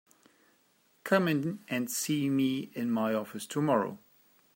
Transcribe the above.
Come in and see me in my office tomorrow.